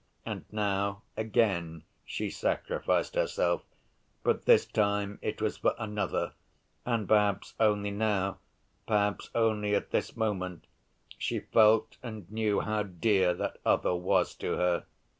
And now, again, she sacrificed herself; but this time it was for another, and perhaps only now—perhaps only at this moment—she felt and knew how dear that other was to her!